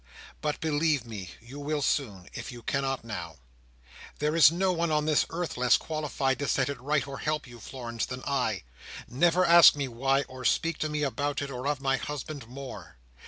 But believe me—you will soon, if you cannot now—there is no one on this earth less qualified to set it right or help you, Florence, than I. Never ask me why, or speak to me about it or of my husband, more.